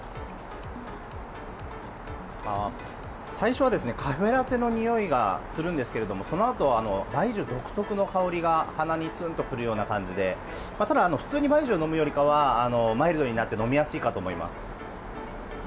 最初はカフェラテのにおいがするんですけどもそのあと、白酒独特の香りが鼻にツーンと来るような感じでただ、普通に白酒を飲むよりかはマイルドになって飲みやすいかと思います。